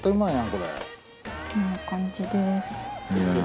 こんな感じです。